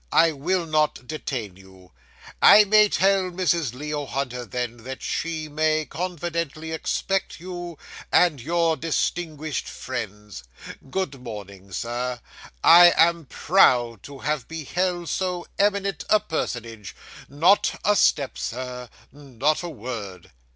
I will not detain you. I may tell Mrs. Leo Hunter, then, that she may confidently expect you and your distinguished friends? Good morning, Sir, I am proud to have beheld so eminent a personage not a step sir; not a word.